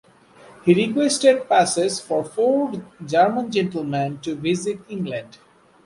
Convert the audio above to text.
He requested passes for four German gentleman to visit England.